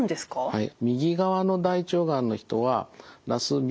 はい。